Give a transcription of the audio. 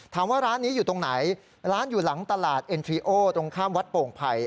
ร้านนี้อยู่ตรงไหนร้านอยู่หลังตลาดเอ็นทรีโอตรงข้ามวัดโป่งไผ่